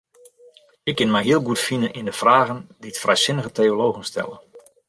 Ik kin my heel goed fine yn de fragen dy't frijsinnige teologen stelle.